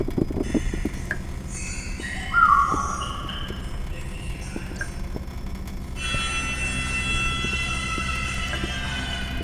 El turismo rural está cobrando cada vez más importancia.